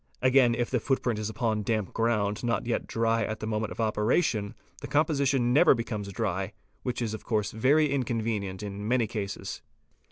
Again if the footprint is upon damp ground not yet dry at the moment of operation, the composition never becomes dry, which is of course very inconvenient in many cases.